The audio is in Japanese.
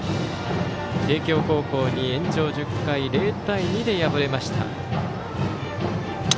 帝京高校に延長１０回０対２で敗れました。